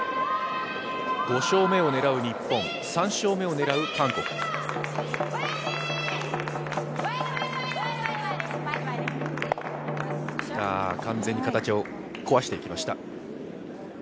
５勝目を狙う日本、３勝目を狙う韓国完全に形を壊していきました。